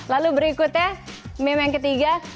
lalu berikutnya meme yang ketiga